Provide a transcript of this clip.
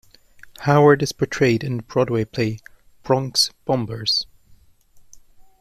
Howard is portrayed in the Broadway play "Bronx Bombers".